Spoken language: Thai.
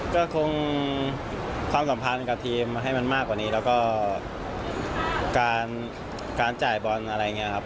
ก็คงความสัมพันธ์กับทีมให้มันมากกว่านี้แล้วก็การจ่ายบอลอะไรอย่างนี้ครับ